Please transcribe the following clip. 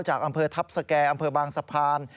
จากอำเภอทัพสแก่อำเภอบางสะพาน